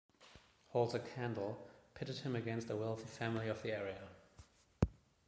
Holds a Candle, pitted him against a wealthy family of the area.